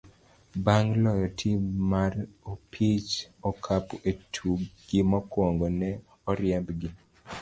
Bang' loyo tim mar opich okapu e tukgi mokwongo, ne oriembgi.